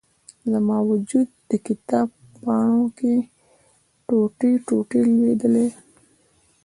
زما و جود، د کتاب پاڼو کې، ټوټي، ټوټي لویدلي